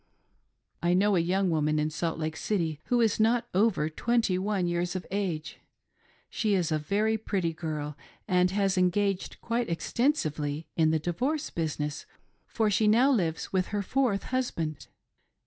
I know a young woman in Salt Lake City, who is not over .twenty one years of age. She is a very pretty girl and has engaged quite extensively in the divorce business, for she now lives with her fourth husband.